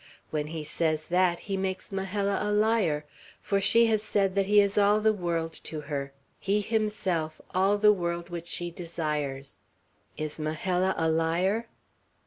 When he says that, he makes Majella a liar; for she has said that he is all the world to her, he himself all the world which she desires. Is Majella a liar?"